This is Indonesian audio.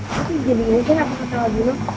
nanti jadi gini kan apa kata ladino